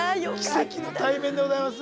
奇跡の対面でございます。